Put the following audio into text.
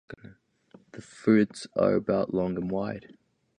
The fruits are about long and wide.